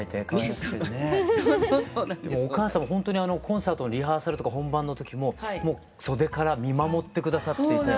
でもお母様ほんとにコンサートのリハーサルとか本番の時も袖から見守って下さっていて。